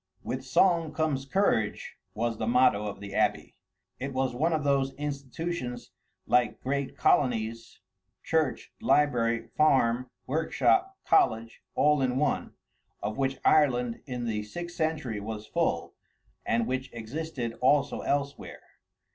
"With song comes courage" was the motto of the abbey. It was one of those institutions like great colonies, church, library, farm, workshop, college, all in one, of which Ireland in the sixth century was full, and which existed also elsewhere.